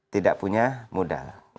tidak punya modal